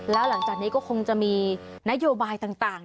แล้วหลังจากนี้ก็คงจะมีนโยบายต่าง